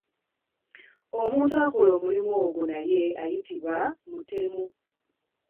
Omuntu akola omulimu ogwo naye ayitibwa mutemu.